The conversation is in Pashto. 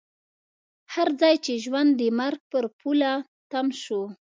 هر ځای چې ژوند د مرګ پر پوله تم شو.